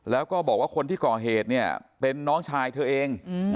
แล้วก็บอกว่าคนที่ก่อเหตุเนี่ยเป็นน้องชายเธอเอง